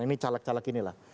ini caleg caleg inilah